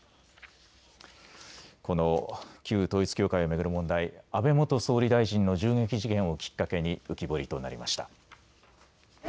この旧統一教会を巡る問題、安倍元総理大臣の銃撃事件をきっかけに浮き彫りとなりました。